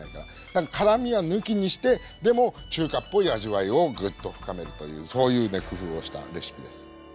だから辛みは抜きにしてでも中華っぽい味わいをぐっと深めるというそういうね工夫をしたレシピです。